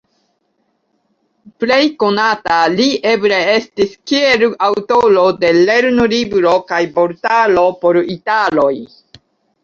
Plej konata li eble estis kiel aŭtoro de lernolibro kaj vortaroj por italoj.